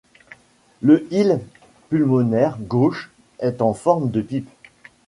Le hile pulmonaire gauche est en forme de pipe.